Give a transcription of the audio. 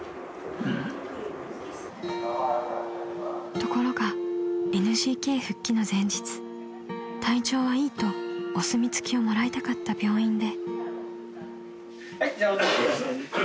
［ところがＮＧＫ復帰の前日「体調はいい」とお墨付きをもらいたかった病院で］